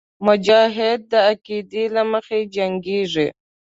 مجاهد د عقیدې له مخې جنګېږي.